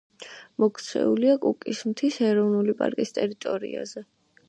მოქცეულია კუკის მთის ეროვნული პარკის ტერიტორიაზე.